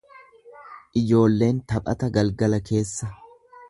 Ijoolleen taphata galgala keessa.